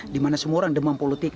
dimana semua orang demam politik